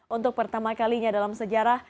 untuk pertama kalinya dalam sejarah